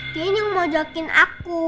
dian yang mau jokin aku